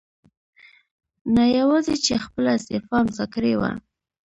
نه یواځې چې خپله استعفاء امضا کړې وه